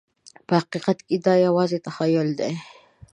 په حقیقت کې دا یوازې تخیل دی.